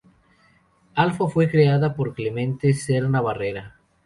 Alfa fue creada por Clemente Serna Barrera.